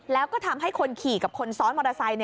แล้วก็ทำให้คนขี่กับคนซ้อนมอเตอร์ไซค์